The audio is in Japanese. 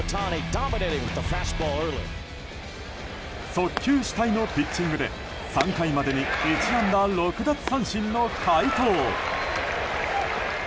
速球主体のピッチングで３回までに１安打６奪三振の快投。